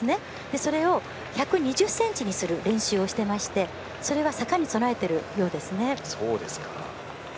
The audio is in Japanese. それを１２０ｃｍにする練習をしていまして坂に備えているようですね。